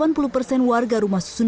delapan puluh persen warga rumah susun